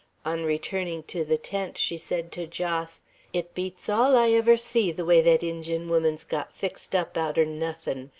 On returning to the tent, she said to Jos: "It beats all ever I see, the way thet Injun woman's got fixed up out er nothin'.